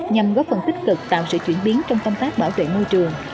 nhằm góp phần tích cực tạo sự chuyển biến trong phong pháp bảo vệ môi trường